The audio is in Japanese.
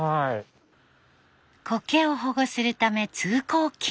コケを保護するため通行禁止。